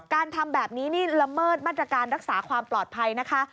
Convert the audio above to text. ทำแบบนี้นี่ละเมิดมาตรการรักษาความปลอดภัยนะคะ